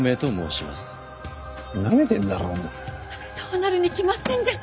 そうなるに決まってんじゃん。